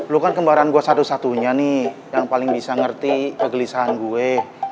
lu kan kembaran gue satu satunya nih yang paling bisa ngerti kegelisahan gue